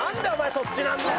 そっちなんだよ！